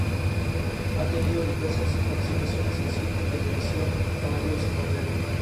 Los primeros años las manifestaciones y conmemoraciones congregaron asistencias respetables.